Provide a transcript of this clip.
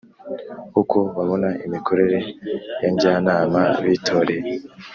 uko babona imikorere yanjyanama bitoreye